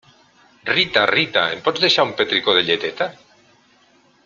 Rita, Rita, em pots deixar un petricó de lleteta?